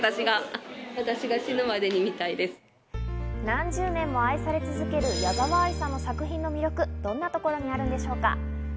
何十年も愛され続ける矢沢あいさんの作品の魅力、どんなところにあるんでしょうか。